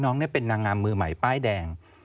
น้องเป็นนางงามมือใหม่ป้ายแดง